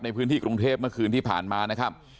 ในพื้นที่กรุงเทพเมื่อคืนที่ผ่านมานะครับ